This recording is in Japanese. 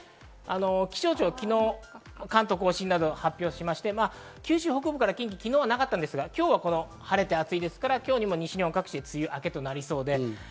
気象庁、昨日、関東甲信などを発表しまして、九州北部から近畿、昨日はなかったんですが、今日は晴れて暑いですから、今日も西日本各地、梅雨明けとなりそうです。